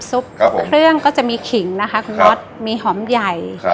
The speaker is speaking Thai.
แบบร่างน้ำซุปเครื่องก็จะมีขิงนะคะมีขมใหญ่